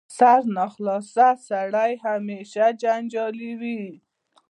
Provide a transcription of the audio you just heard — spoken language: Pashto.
سرناخلاصه سړی همېشه جنجالي وي.